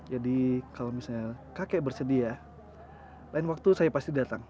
jadi kalau misalnya kakek bersedia lain waktu saya pasti datang